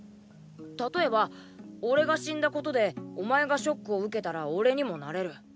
例えば俺が死んだことでお前がショックを受けたら俺にもなれる。